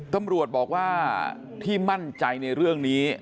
ตำรวจบอกว่าที่มั่นใจในเรื่องนี้